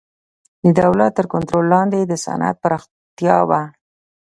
د دولت تر کنټرول لاندې د صنعت پراختیا و.